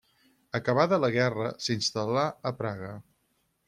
Acabada la guerra, s'instal·là a Praga.